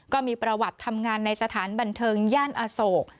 ก็มีประวัติทำงานในสถานบันเทิงย่านอโศก